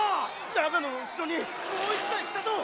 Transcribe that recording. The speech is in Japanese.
長野の後ろにもう１台来たぞ！